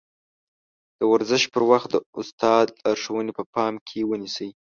د ورزش پر وخت د استاد لارښوونې په پام کې ونيسئ.